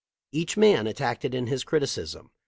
Each man attacked it in his criticism.